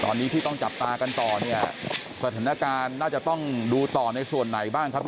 ตอนนี้ที่ต้องจับตากันต่อเนี่ยสถานการณ์น่าจะต้องดูต่อในส่วนไหนบ้างครับ